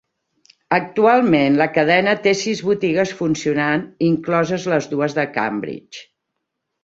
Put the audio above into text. Actualment la cadena té sis botigues funcionant, incloses les dues de Cambridge.